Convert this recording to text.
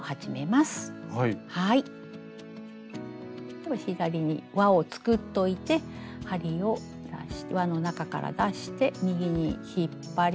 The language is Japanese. では左に輪を作っといて針を輪の中から出して右に引っ張ります。